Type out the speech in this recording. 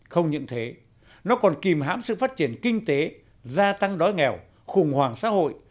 không những thế nó còn kìm hãm sự phát triển kinh tế gia tăng đói nghèo khủng hoảng xã hội